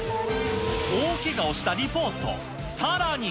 大けがをしたリポート、さらに。